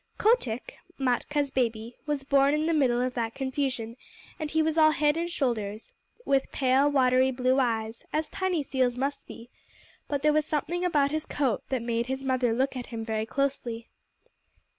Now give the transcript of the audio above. Kotick, Matkah's baby, was born in the middle of that confusion, and he was all head and shoulders, with pale, watery blue eyes, as tiny seals must be, but there was something about his coat that made his mother look at him very closely.